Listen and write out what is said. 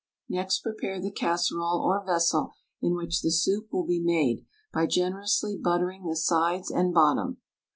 Next prepare the casserole or vessel in which the soup will be made by generously buttering the sides and bottom.